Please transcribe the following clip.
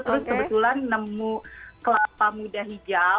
terus kebetulan nemu kelapa muda hijau